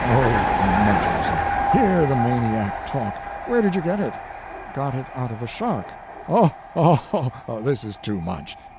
"Oh, Mun chausen, hear the maniac talk! Where did you get it?" "Got it out of a shark." "Oh, oh, oh, this is too much!